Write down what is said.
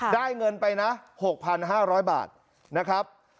ได้เงินไปนะ๖๕๐๐บาทนะครับ